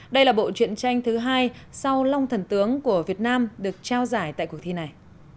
đây là bộ truyện tranh thứ hai sau long thần tướng của việt nam được trao giải tại cuộc thi này